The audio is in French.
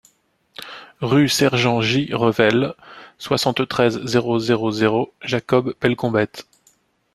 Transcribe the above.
Rue Sergent J-Revel, soixante-treize, zéro zéro zéro Jacob-Bellecombette